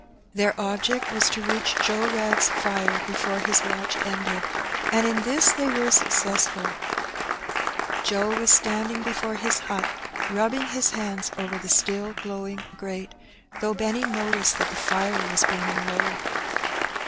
Their object was to reach Joe Wrag's fire before his watch ended, and in this they were successful. Joe was standing before his hut, rubbing his hands over the still glowing grate, though Benny noticed that the fire was burning low.